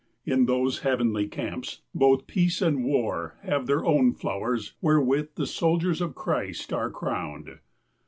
In those heav enly camps, both peace and war have their own flowers wherewith the soldiers of Christ are crowned.